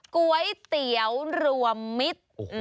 ก๋วยเตี๋ยวรวมมิตร